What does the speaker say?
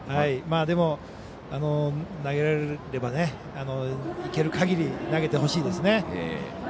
でも投げられればいける限り投げてほしいですね。